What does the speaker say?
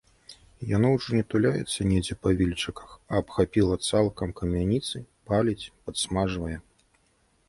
Яно ўжо не туляецца недзе па вільчыках, а абхапіла цалком камяніцы, паліць, падсмажвае.